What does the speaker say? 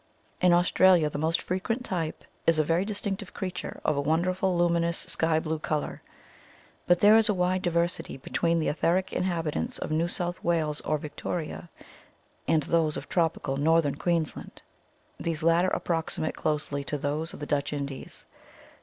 "In Australia the most frequent type is a very distinctive creature of a wonderful luminous sky blue colour ; but there is a wide diversity between the etheric inhabitants of New South Wales or Victoria and those of tropical Northern Queensland. These lat ter approximate closely to those of the Dutch Indies.